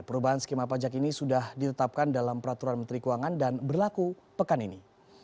perubahan skema pajak ini sudah ditetapkan dalam peraturan menteri keuangan dan berlaku pekan ini